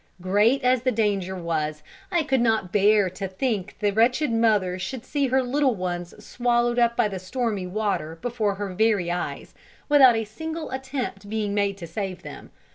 Great as the danger was, I could not bear to think the wretched mother should see her little ones swallowed up by the stormy water, before her very eyes, without a single attempt being made to save them.